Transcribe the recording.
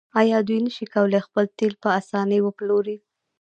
آیا دوی نشي کولی خپل تیل په اسانۍ وپلوري؟